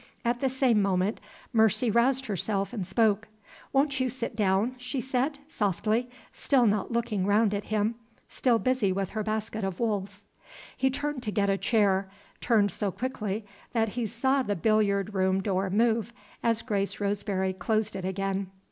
At the same moment Mercy roused herself and spoke: "Won't you sit down?" she said, softly, still not looking round at him, still busy with her basket of wools. He turned to get a chair turned so quickly that he saw the billiard room door move, as Grace Roseberry closed it again.